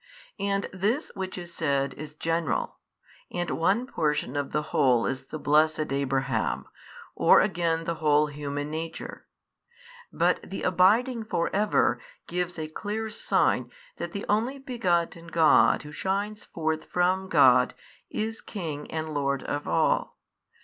And this which is said is general, and one portion of the whole is the blessed Abraham, or again the whole human nature. But the abiding for ever gives a clear sign that the Only Begotten God Who shines forth from God is King and Lord of all.